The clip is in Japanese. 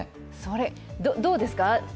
どうですか？